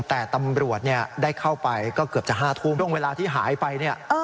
แต่ตำรวจเนี้ยได้เข้าไปก็เกือบจะห้าทุ่มตรงเวลาที่หายไปเนี้ยอ้อ